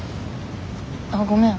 あっごめん。